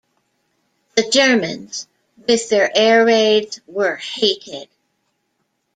The Germans, with their air raids, were hated.